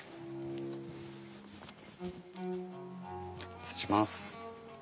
失礼します。